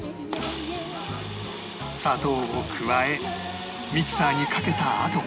砂糖を加えミキサーにかけたあと